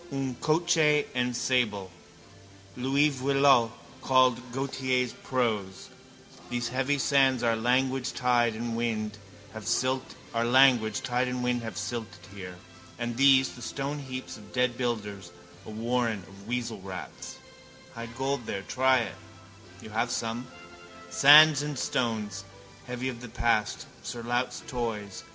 Un coche ensablé Louis Veuillot called Gautier's prose. These heavy sands are language tide and wind have silted here. And these, the stoneheaps of dead builders, a warren of weasel rats. Hide gold there. Try it. You have some. Sands and stones. Heavy of the past. Sir Lout's toys.